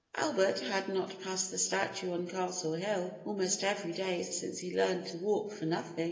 Albert had not passed the statue on Castle Hill almost every day since he learned to walk for nothing.